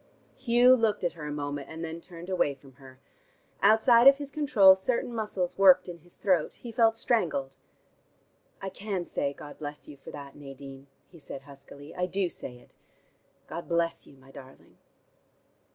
Hugh looked at her a moment, and then turned away from her. Outside of his control certain muscles worked in his throat; he felt strangled. "I can say 'God bless you' for that, Nadine," he said huskily. "I do say it. God bless you, my darling."